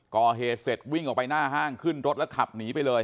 ก่อเหตุเสร็จวิ่งออกไปหน้าห้างขึ้นรถแล้วขับหนีไปเลย